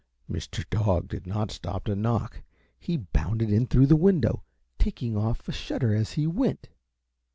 Mr. Dog did not stop to knock; he bounded in through the window, taking off a shutter as he went.